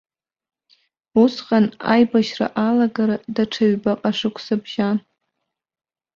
Усҟан аибашьра алагара даҽа ҩбаҟа шықәса бжьан.